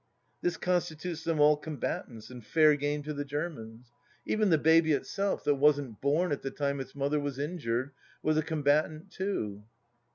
This constitutes them all combatants and fair game to the THE LAST DITCH ai8 Germans. Even the baby itself, that wasn't bom at the time its mother was injured, was a combatant too.